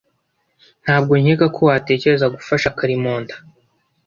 Ntabwo nkeka ko watekereza gufasha Karimunda